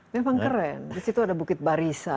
memang keren di situ ada bukit barisan